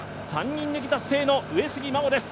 ３人抜き達成の上杉真穂です。